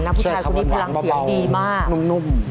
นะผู้ชายคนนี้พลังเสียงดีมากนุ่มเชื่อครับหวานมาเปล่า